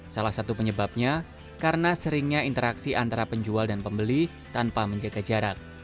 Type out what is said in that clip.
salah satu penyebabnya karena seringnya interaksi antara penjual dan pembeli tanpa menjaga jarak